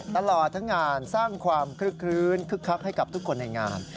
ตลอดทั้งงานสร้างความคลึกคลื้นคึกคักให้กับทุกคนในงาน